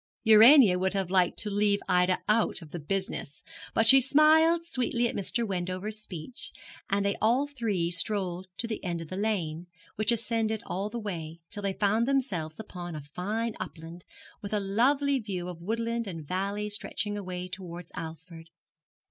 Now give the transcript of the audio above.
Urania would have liked to leave Ida out of the business, but she smiled sweetly at Mr. Wendover's speech, and they all three strolled to the end of the lane, which ascended all the way, till they found themselves upon a fine upland, with a lovely view of woodland and valley stretching away towards Alresford.